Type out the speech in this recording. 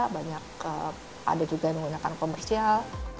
banyak ada juga yang menggunakan komersial